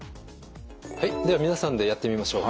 はいでは皆さんでやってみましょう。